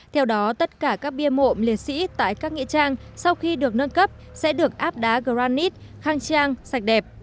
theo đó tất cả các bia mộ liệt sĩ tại các nghĩa trang sau khi được nâng cấp sẽ được áp đá granite khang trang sạch đẹp